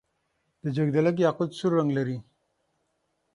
د جګدلک یاقوت سور رنګ لري.